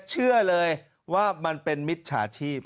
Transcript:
เชื่อเลยว่ามันเป็นมิจฉาชีพ